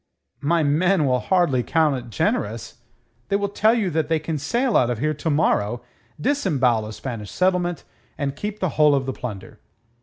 "My men will hardly account it generous. They will tell you that they can sail out of here to morrow, disembowel a Spanish settlement, and keep the whole of the plunder."